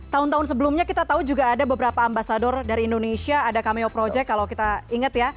tahun tahun sebelumnya kita tahu juga ada beberapa ambasador dari indonesia ada cameo project kalau kita ingat ya